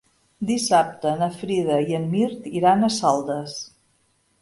Dissabte na Frida i en Mirt iran a Saldes.